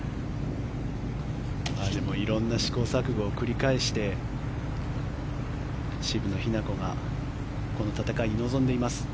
でも色んな試行錯誤を繰り返して渋野日向子がこの戦いに臨んでいます。